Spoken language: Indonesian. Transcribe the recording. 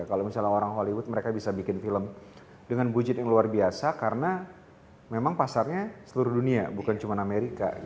kalau misalnya orang hollywood mereka bisa bikin film dengan budget yang luar biasa karena memang pasarnya seluruh dunia bukan cuma amerika